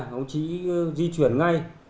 đồng chí di chuyển ngay